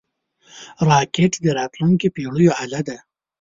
راکټ د راتلونکو پېړیو اله ده